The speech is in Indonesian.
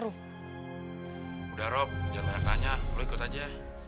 udah rob jalan tanya lu ikut aja